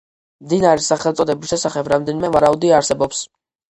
მდინარის სახელწოდების შესახებ რამდენიმე ვარაუდი არსებობს.